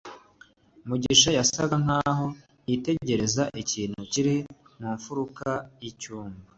mugisha yasaga nkaho yitegereza ikintu kiri mu mfuruka yicyumba